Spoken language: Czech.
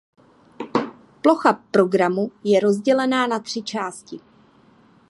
Plocha programu je rozdělená na tři části.